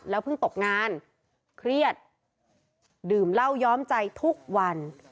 เพิ่งตกงานเครียดดื่มเหล้าย้อมใจทุกวัน